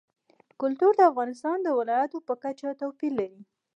کلتور د افغانستان د ولایاتو په کچه توپیر لري.